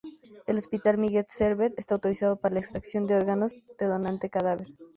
El Hospital Miguel Servet está autorizado para la extracción de órganos de donante cadáver.